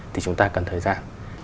thì chúng ta cần thời gian